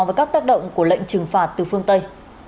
và các tác động của lệnh trừng phạt từ phương tây